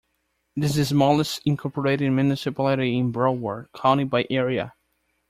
It is the smallest incorporated municipality in Broward County by area.